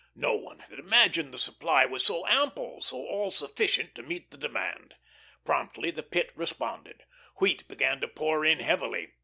No one had imagined the supply was so ample, so all sufficient to meet the demand. Promptly the Pit responded. Wheat began to pour in heavily.